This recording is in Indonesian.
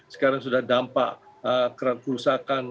sekarang sudah dampak kerusakan